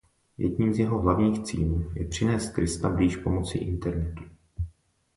Jedním z jeho hlavních cílů je přinést Krista blíž pomocí internetu.